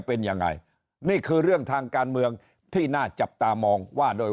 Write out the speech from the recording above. เป็นยังไงนี่คือเรื่องทางการเมืองที่น่าจับตามองว่าโดย